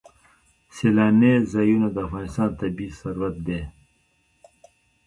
سیلانی ځایونه د افغانستان طبعي ثروت دی.